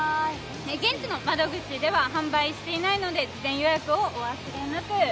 現地の窓口では、販売していないので事前予約をお忘れなく。